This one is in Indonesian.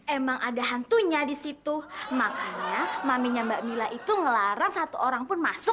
emang ada hantunya disitu makanya maminya mbak mila itu ngelarang satu orang pun masuk